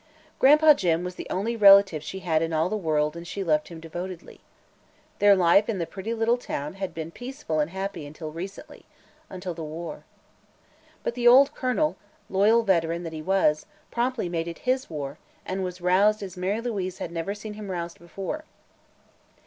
Gran'pa Jim was the only relative she had in all the world and she loved him devotedly. Their life in the pretty little town had been peaceful and happy until recently until the war. But the old Colonel, loyal veteran that he was, promptly made it his war and was roused as Mary Louise had never seen him roused before.